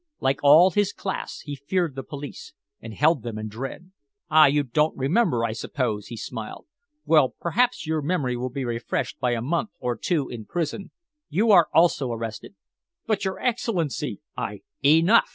Like all his class, he feared the police, and held them in dread. "Ah, you don't remember, I suppose!" he smiled. "Well, perhaps your memory will be refreshed by a month or two in prison. You are also arrested." "But, your Excellency, I " "Enough!"